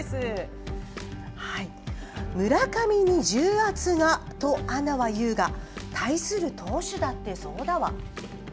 「村上に重圧がとアナは言うが対する投手だってそうだわ」。